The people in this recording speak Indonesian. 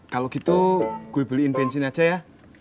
kalau gitu gue beliin bensin aja ya